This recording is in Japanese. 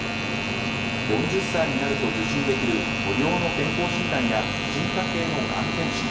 ４０歳になると受診できる無料の健康診断や婦人科系のがん検診。